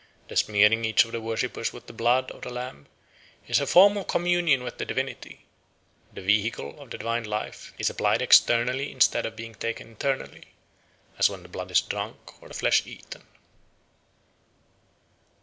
The smearing each of the worshippers with the blood of the lamb is a form of communion with the divinity; the vehicle of the divine life is applied externally instead of being taken internally, as when the blood is drunk or the flesh eaten.